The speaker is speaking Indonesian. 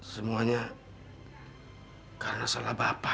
semuanya karena salah bapak